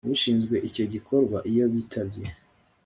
ushinzwe icyo gikorwa iyo bitabye